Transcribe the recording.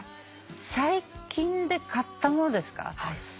最近で買ったものですか？